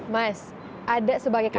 mas ada sebagai kakak